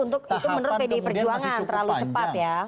tahapan kemudian masih cukup panjang